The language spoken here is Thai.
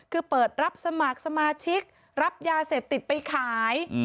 คือเปิดรับสมัครสมาชิกรับยาเสพติดไปขาย